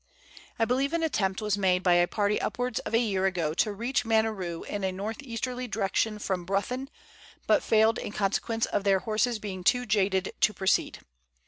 I believe an attempt was made by a party upwards of a year ago to reach Maneroo in a north easterly direction from Bruthen, but failed in consequence of their horses being too jaded to proceed.